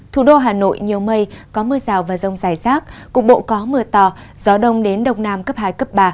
thủ đô hà nội nhiều mây có mưa rào và rông dài rác cục bộ có mưa to gió đông đến đông nam cấp hai cấp ba